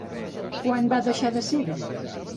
Quan va deixar de ser-ho?